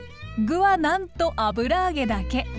具はなんと油揚げだけ！